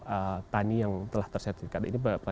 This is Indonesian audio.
petani yang telah tersertifikat